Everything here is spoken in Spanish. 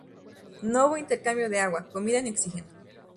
No hubo intercambio de agua, comida ni oxígeno.